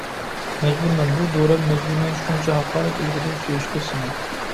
مەجبۇرمەن بۇ دورەم مەجبۇرمەن شۇنچە، ھاقارەت ئىلكىدە سۆيۈشكە سېنى.